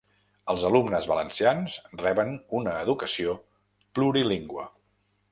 Els alumnes valencians reben una educació plurilingüe.